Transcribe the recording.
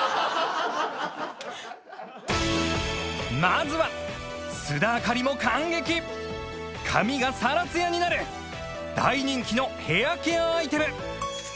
まずは須田亜香里も感激髪がさらつやになる大人気のヘアケアアイテム